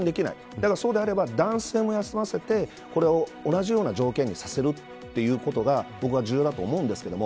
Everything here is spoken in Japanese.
だったら、そうであれば男性も休ませて同じような条件にさせることが僕は重要だと思うんですけど。